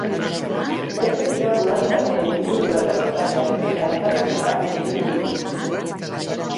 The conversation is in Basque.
Beste kirol modalitateen inguruko erreportajeak eta elkarrizketak egingo dituzte.